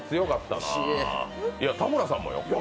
田村さんもよ。